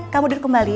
kamu duduk kembali ya